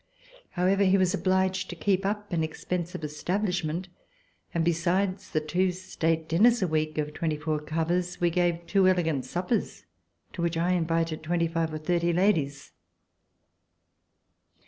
However, he was obliged to keep up an expensive establishment, and besides the two state dinners a week of twenty four covers, we gave two elegant suppers to which I invited twenty five or thirty ladies.